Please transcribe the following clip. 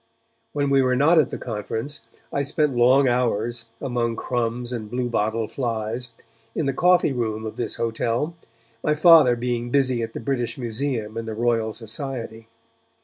When we were not at the conference, I spent long hours, among crumbs and bluebottle flies, in the coffee room of this hotel, my Father being busy at the British Museum and the Royal Society.